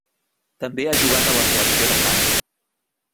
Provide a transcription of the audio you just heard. També ha jugat a la selecció de França.